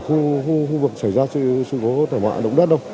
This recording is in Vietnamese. không chỉ ở khu vực xảy ra sự thảm họa động đất đâu